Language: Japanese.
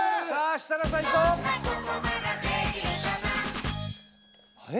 設楽さんいこうえっ？